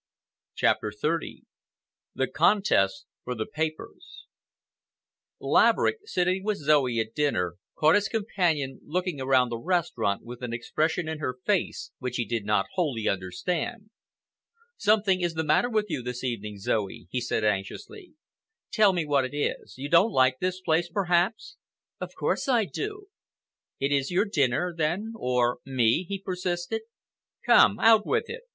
CHAPTER XXX THE CONTEST FOR THE PAPERS Laverick, sitting with Zoe at dinner, caught his companion looking around the restaurant with an expression in her face which he did not wholly understand. "Something is the matter with you this evening, Zoe," he said anxiously. "Tell me what it is. You don't like this place, perhaps?" "Of course I do." "It is your dinner, then, or me?" he persisted. "Come, out with it.